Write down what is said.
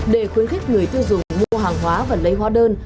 để khuyến khích người tiêu dùng mua hàng hóa và lấy hóa đơn